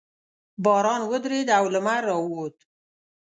باران ودرېد او لمر راووت.